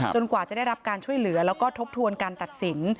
กว่าจะได้รับการช่วยเหลือแล้วก็ทบทวนการตัดสิน